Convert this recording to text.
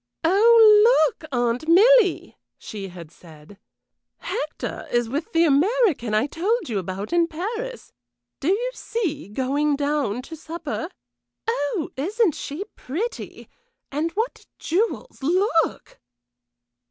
"Oh! Look, Aunt Milly!" she had said. "Hector is with the American I told you about in Paris. Do you see, going down to supper. Oh, isn't she pretty! and what jewels look!"